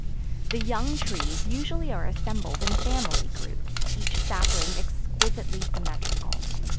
The young trees usually are assembled in family groups, each sapling exquisitely symmetrical.